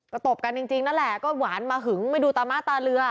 ก็ตบกันจริงนั่นแหละก็หวานมาหึงไม่ดูตาม้าตาเรือ